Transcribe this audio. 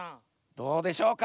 どうでしょうか！？